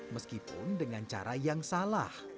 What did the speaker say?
meskipun dengan cara yang salah